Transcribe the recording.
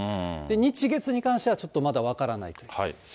日、月に関しては、ちょっとまだ分からないと。